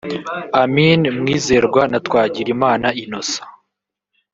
Amin Mwizerwa na Twagirimana Innocent